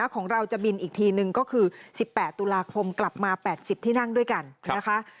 ของเราจะบินอีกทีนึงก็คือ๑๘ตุลาคมกลับมา๘๐ที่นั่งด้วยกันนะคะ